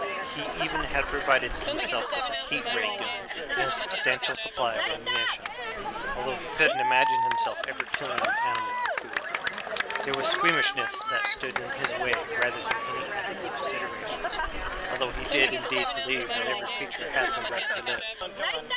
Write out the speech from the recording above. He even had provided himself with a heat ray gun and a substantial supply of ammunition, although he couldn't imagine himself ever killing an animal for food. It was squeamishness that stood in his way rather than any ethical considerations, although he did indeed believe that every creature had the right to live.